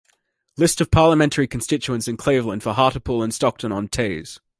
List of Parliamentary constituencies in Cleveland for Hartlepool and Stockton-on-Tees.